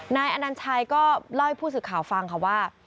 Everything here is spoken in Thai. นายอนัญชัยก็เล่าให้ผู้สื่อข่าวฟังค่ะว่า